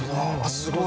すごい